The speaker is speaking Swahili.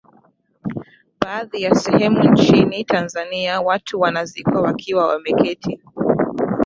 Baadhi ya sehemu nchini Tanzania watu wanazikwa wakiwa wameketi